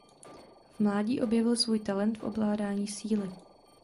V mládí objevil svůj talent v ovládání Síly.